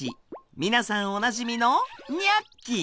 皆さんおなじみのニャッキ！